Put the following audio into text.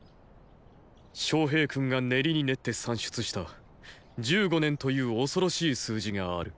昌平君が練りに練って算出した“十五年”という恐ろしい数字がある。